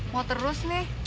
mau terus nih